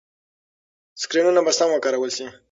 سکرینونه به سم وکارول شي.